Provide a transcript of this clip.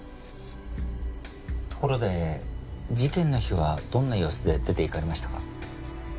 ところで事件の日はどんな様子で出て行かれましたか？